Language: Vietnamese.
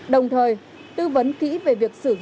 đồng thời tư vấn kỹ về việc sử dụng